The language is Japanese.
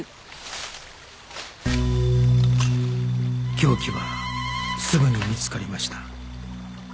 凶器はすぐに見つかりました